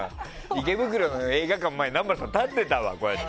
池袋の映画館の前に南原さんが立ってたわ。